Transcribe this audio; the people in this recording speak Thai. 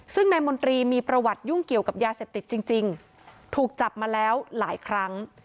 ซึ่งนายมนตรีมีประวัติยุ่งเกี่ยวกับยาเสพติดจริงถูกจับมาแล้วหลายครั้ง